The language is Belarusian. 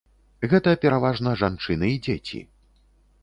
Гэта пераважна жанчыны і дзеці.